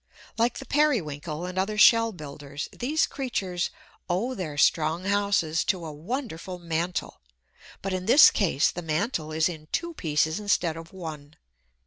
Like the Periwinkle and other shell builders, these creatures owe their strong houses to a wonderful mantle; but in this case the mantle is in two pieces instead of one.